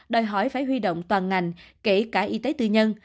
đòi hỏi phải huy động toàn ngành kể cả y tế tư nhân